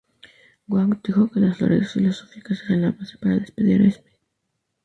Wang dijo que las "diferencias filosóficas" eran la base para despedir a Smith.